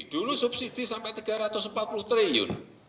dulu subsidi sampai rp tiga ratus empat puluh triliun